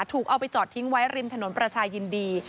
เอาไปจอดทิ้งไว้ริมถนนประชายินดี